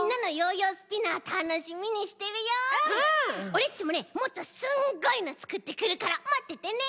オレっちもねもっとすんごいのつくってくるからまっててね！